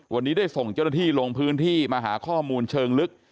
วันนี้ได้ส่งเจ้าหน้าที่ลงพื้นที่มาหาข้อมูลเชิงลึก